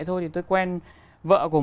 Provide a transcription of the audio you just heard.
thôi thì tôi quen vợ của